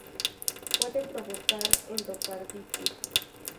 Puede provocar endocarditis.